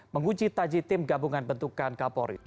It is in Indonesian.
menguji taji tim gabungan bentukan kapolri